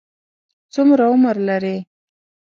څومره عمر لري؟